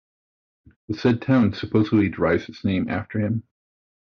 The said town supposedly derives its name after him.